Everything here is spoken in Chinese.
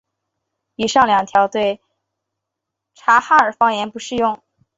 以上两条对察哈尔方言不适用。